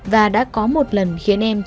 và đã có một lần khiến em bị tấn công